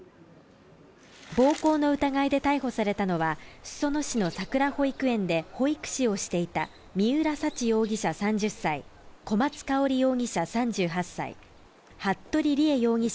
暴行の疑いで逮捕されたのは裾野市のさくら保育園で保育士をしていた三浦沙知容疑者、３０歳小松香織容疑者、３８歳服部理江容疑者